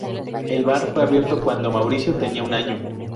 El bar fue abierto cuando Mauricio tenía un año.